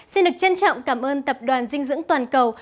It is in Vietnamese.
xin được trân trọng cảm ơn tập đoàn dinh dưỡng toàn cầu